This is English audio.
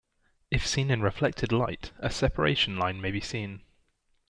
If seen in reflected light, a separation line may be seen.